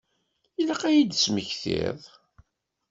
Ilaq ad iyi-d-tesmektiḍ.